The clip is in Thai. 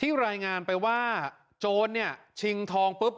ที่รายงานไปว่าโจรชิงทอง